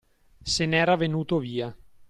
Se n'era venuto via.